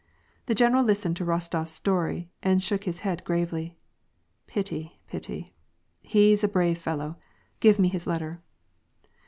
The general listened to Kostof s story and shook his head gravely. "Pity, pity; he's a brave fellow ; give me his letter."